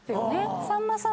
さんまさんは。